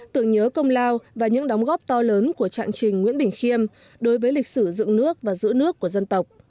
tưởng nhớ công lao và những đóng góp to lớn của trạng trình nguyễn bình khiêm đối với lịch sử dựng nước và giữ nước của dân tộc